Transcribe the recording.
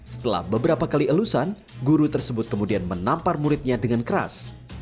setelah beberapa kali elusan guru tersebut kemudian menampar muridnya dengan keras